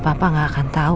papa gak akan tau